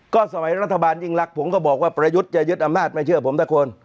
ก็สมัยรัฐบาลยิ่งรักผมก็บอกว่าประยุทธ์จะยึดอำนาจไม่เชื่อผมสักคน